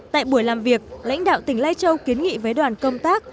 tại buổi làm việc lãnh đạo tỉnh lai châu kiến nghị với đoàn công tác